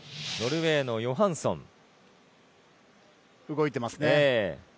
ノルウェーのヨハンソン。